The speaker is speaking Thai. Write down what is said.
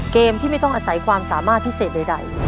เกมที่ไม่ต้องอาศัยความสามารถพิเศษใด